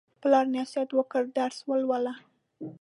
پلار نصیحت وکړ: درس ولوله.